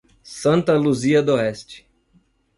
Santa Luzia d'Oeste